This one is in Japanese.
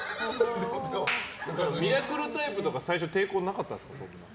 でも「ミラクルタイプ」とか最初、抵抗なかったですか？